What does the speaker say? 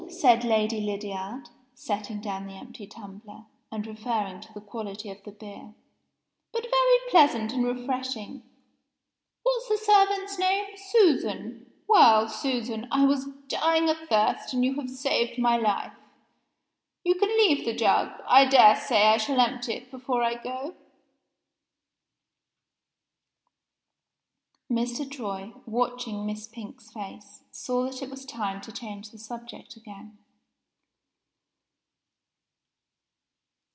said Lady Lydiard, setting down the empty tumbler, and referring to the quality of the beer. "But very pleasant and refreshing. What's the servant's name? Susan? Well, Susan, I was dying of thirst and you have saved my life. You can leave the jug I dare say I shall empty it before I go." Mr. Troy, watching Miss Pink's face, saw that it was time to change the subject again.